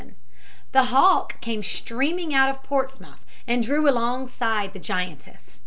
The Hawke came steaming out of Portsmouth and drew alongside the giantess.